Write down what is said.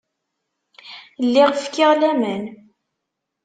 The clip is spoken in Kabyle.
Lliɣ fkiɣ laman.